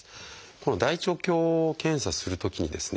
この大腸鏡検査するときにですね